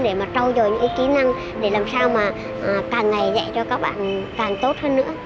để mà trao dồi những cái kỹ năng để làm sao mà càng ngày dạy cho các bạn càng tốt hơn nữa